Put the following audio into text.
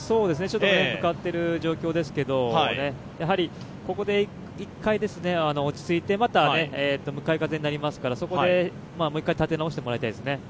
ちょっと向かっている状況ですけど、ここで１回落ち着いて、また向かい風になりますから、そこでもう一回立て直してもらいたいですね。